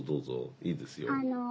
いいですよ。